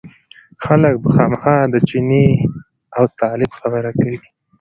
خلک به خامخا د چیني او طالب خبره کوي.